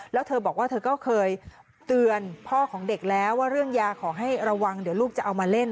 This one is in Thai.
แล้วเธอบอกว่าเธอก็เคยเตือนพ่อของเด็กแล้วว่าเรื่องยาขอให้ระวังเดี๋ยวลูกจะเอามาเล่น